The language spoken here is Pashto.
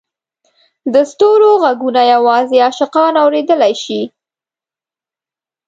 د ستورو ږغونه یوازې عاشقان اورېدلای شي.